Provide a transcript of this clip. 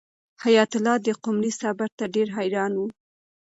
حیات الله د قمرۍ صبر ته ډېر حیران و.